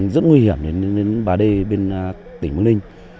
rất nguy hiểm đến bà đê bên tỉnh quảng ninh